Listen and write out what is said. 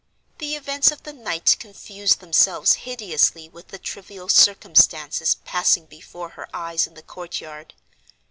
The events of the night confused themselves hideously with the trivial circumstances passing before her eyes in the courtyard.